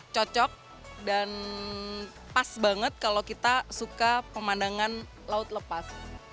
cocok dan pas banget kalau kita suka pemandangan laut lepas